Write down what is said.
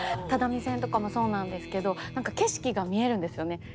只見線とかもそうなんですけど何か景色が見えるんですよね。